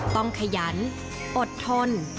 ต้องขยันอดทน